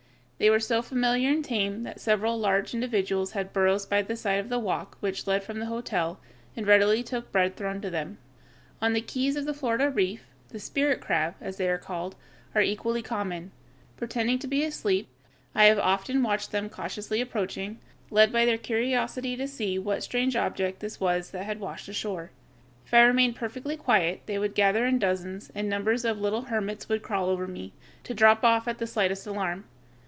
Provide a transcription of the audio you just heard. They were so familiar and tame that several large individuals had burrows by the side of the walk which led from the hotel, and readily took bread thrown to them. On the keys of the Florida Reef the "spirit crabs," as they are called, are equally common. Pretending to be asleep, I have often watched them cautiously approaching, led by their curiosity to see what strange object this was that had washed ashore. If I remained perfectly quiet, they would gather in dozens, and numbers of little hermits would crawl over me, to drop off at the slightest alarm.